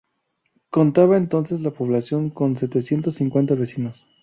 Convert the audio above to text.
Contaba entonces la población con setecientos cincuenta vecinos.